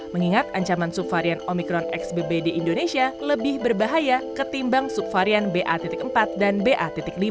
mengingat ancaman subvarian omikron xbb di indonesia lebih berbahaya ketimbang subvarian ba empat dan ba lima